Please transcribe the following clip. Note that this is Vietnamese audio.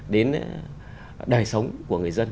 đến đời sống của người dân